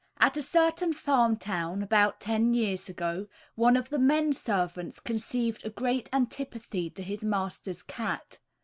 At a certain farm town, about ten years ago, one of the men servants conceived a great antipathy to his master's cat.